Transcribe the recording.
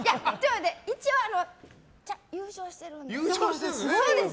一応、優勝してるんです。